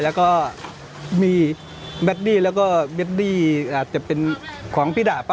แล้วก็มีแบดดี้แล้วก็เบดดี้อาจจะเป็นของพี่ดาบป่